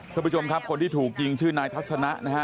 คุณผู้ชมครับคนที่ถูกยิงชื่อนายทัศนะนะฮะ